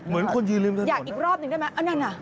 อยากอีกรอบหนึ่งได้ไหมอันนั้น